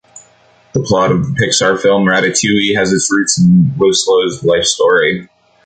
The plot of the Pixar film "Ratatouille" has its roots in Loiseau's life story.